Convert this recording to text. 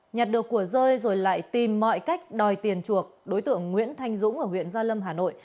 nhặt được của rơi rồi lại tìm mọi cách đòi tiền chuộc đối tượng nguyễn thanh dũng ở huyện gia lâm hà nội